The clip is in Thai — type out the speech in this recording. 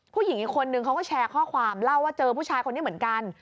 ผู้หญิงอีกคนนึงเขาก็แชร์ข้อความเล่าว่าเจอผู้ชายคนนี้เหมือนกัน